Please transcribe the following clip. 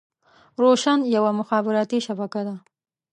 روشن يوه مخابراتي شبکه ده.